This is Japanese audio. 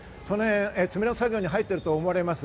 詰め直し作業に入っていると思われます。